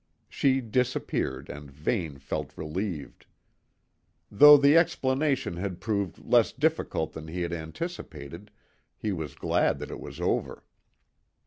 She disappeared, and Vane felt relieved. Though the explanation had proved less difficult than he had anticipated, he was glad that it was over.